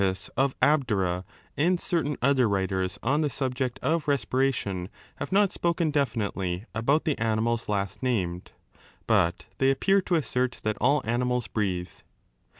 Democrittjs of Abdera and certain other writers on the subject of respiration have not spoken definitely about the animals last named, but they appear to assert that all animals breathe.